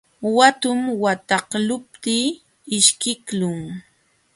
Watum wataqluptii ishkiqlun.